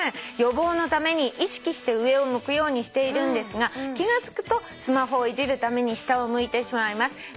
「予防のために意識して上を向くようにしているんですが気が付くとスマホをいじるために下を向いてしまいます」